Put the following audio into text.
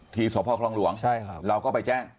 ที่สวพครองหลวงใช่ครับเราก็ไปแจ้ง